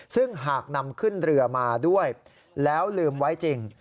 ซึ่งหากนำขึ้นเรือมาด้วยแล้วลืมไว้จริง